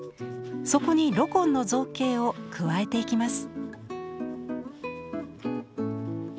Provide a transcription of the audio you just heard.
そこにロコンの造形を加えていきます。